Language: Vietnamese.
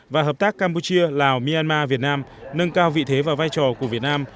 và hợp tác campuchia lào myanmar việt nam nâng cao vị thế và vai trò của việt nam